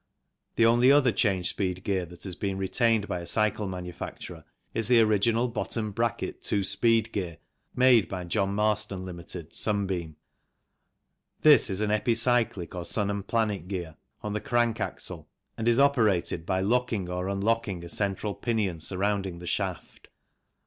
The only other change speed gear that has been retained by a cycle manufacturer is the original bottom bracket two speed gear made by John Marston, Ltd. (Sunbeam). This is an epicyclic or sun and planet gear on the crank axle and is operated by locking or unlocking a central pinion surrounding the shaft.